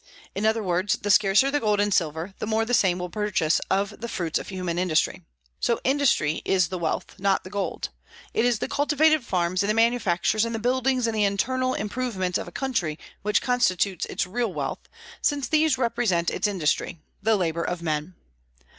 In other words, the scarcer the gold and silver the more the same will purchase of the fruits of human industry. So industry is the wealth, not the gold. It is the cultivated farms and the manufactures and the buildings and the internal improvements of a country which constitute its real wealth, since these represent its industry, the labor of men.